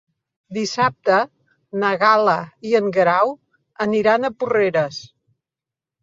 Dissabte na Gal·la i en Guerau aniran a Porreres.